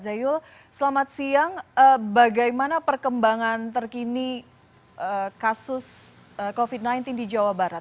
zayul selamat siang bagaimana perkembangan terkini kasus covid sembilan belas di jawa barat